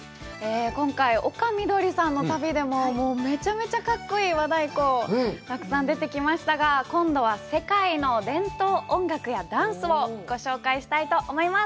今回、丘みどりさんの旅でも、めちゃめちゃかっこいい和太鼓、たくさん出てきましたが、今度は世界の伝統音楽やダンスをご紹介したいと思います。